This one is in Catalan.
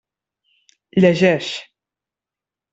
Llegeix.